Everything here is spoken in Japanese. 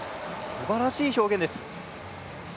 すばらしい表現です。